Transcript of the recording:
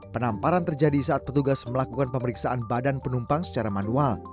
penamparan terjadi saat petugas melakukan pemeriksaan badan penumpang secara manual